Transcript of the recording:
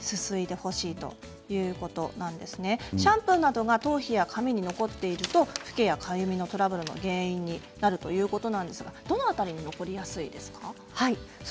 シャンプーなどが頭皮や髪に残っているとフケやかゆみなどのトラブルの原因になるということですがどの辺りに残りやすいですか？